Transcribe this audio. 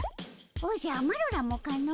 おじゃマロらもかの？